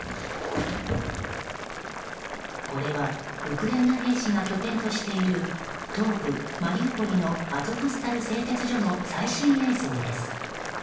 これはウクライナ兵士が拠点としている東部マリウポリのアゾフスタル製鉄所の最新映像です。